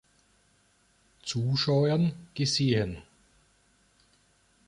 Zuschauern gesehen.